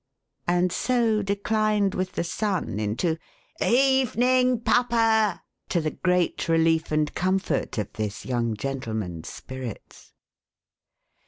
w and so declined with the sun into " Eve ning Pup per !" to the great relief and comfort of this young gentleman^s spirits.